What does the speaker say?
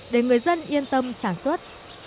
để người dân yên tâm sản xuất